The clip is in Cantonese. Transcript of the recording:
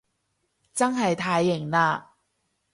真係太型喇